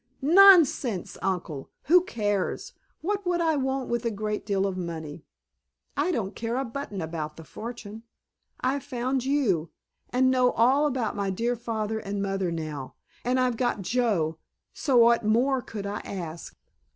"Nonsense, Uncle! Who cares! What would I want with a great lot of money? I don't care a button about the fortune. I've found you—and know all about my dear father and mother now—and I've got Joe, so what more could I ask?"